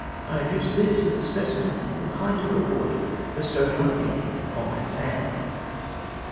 I adduce this as a sj)ecimen of the kind of reward bestowed on me or my family.